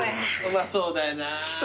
うまそうだよな。